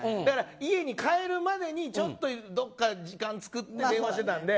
家に帰るまでに、ちょっと時間作って電話してたんで。